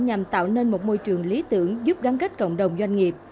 nhằm tạo nên một môi trường lý tưởng giúp gắn kết cộng đồng doanh nghiệp